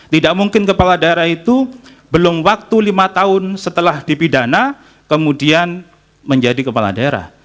tidak mungkin kepala daerah itu belum waktu lima tahun setelah dipidana kemudian menjadi kepala daerah